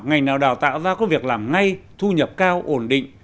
ngành nào đào tạo ra có việc làm ngay thu nhập cao ổn định